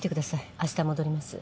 明日戻ります。